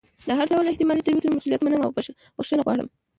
د هر ډول احتمالي تېروتنې مسؤلیت منم او بښنه غواړم.